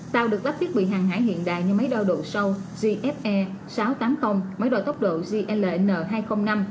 tàu được lắp thiết bị hàng hải hiện đại như máy đo độ sâu gfe sáu trăm tám mươi máy đo tốc độ gl hai trăm linh năm